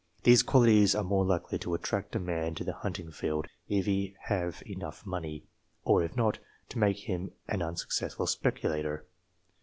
These qualities are more likely to attract a man to the hunting field, if he have enough money ; or if not, to make him an unsuccessful speculator.